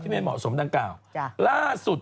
ไม่เหมาะสมดังกล่าวล่าสุด